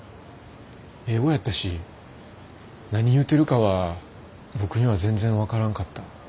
英語やったし何言うてるかは僕には全然分からんかった。